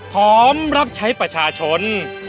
พร้อมรับใช้ประชาชน